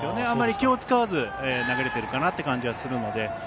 あまり気を使わず投げれてるかなと感じるので。